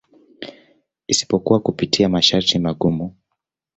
Isipokuwa kupitia masharti magumu.